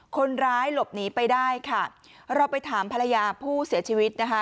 คนร้ายหลบหนีไปได้ค่ะเราไปถามภรรยาผู้เสียชีวิตนะคะ